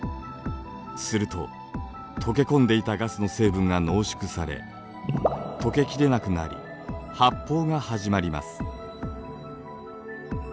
するととけ込んでいたガスの成分が濃縮されとけきれなくなり発泡が始まります。